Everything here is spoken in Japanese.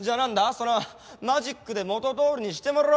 そのマジックで元どおりにしてもらおうか。